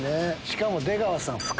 しかも出川さん